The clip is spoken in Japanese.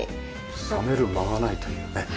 冷める間がないというね。